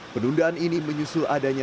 pendundaan ini menyusul adanya